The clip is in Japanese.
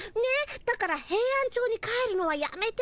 だからヘイアンチョウに帰るのはやめてさ。